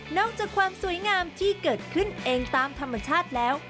อกจากความสวยงามที่เกิดขึ้นเองตามธรรมชาติแล้ว